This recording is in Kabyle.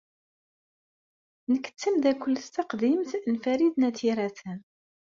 Nekk d tameddakelt taqdimt n Farid n At Yiraten.